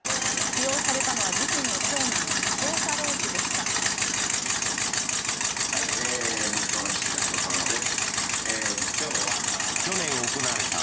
起用されたのは自身の長男翔太郎氏でした。